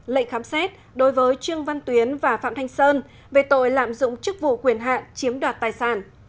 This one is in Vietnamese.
lệnh khám xét đối với trương văn tuyến và phạm thanh sơn về tội lạm dụng chức vụ quyền hạn chiếm đoạt tài sản